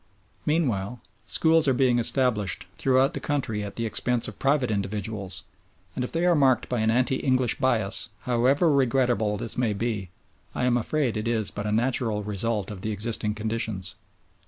Meanwhile schools are being established throughout the country at the expense of private individuals, and if they are marked by an anti English bias, however regrettable this may be, I am afraid it is but a natural result of the existing conditions.